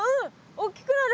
おっきくなる！